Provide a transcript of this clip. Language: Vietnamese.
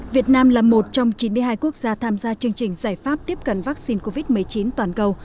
việt nam là một trong chín mươi hai quốc gia tham gia chương trình giải pháp tiếp cận vaccine covid một mươi chín toàn cầu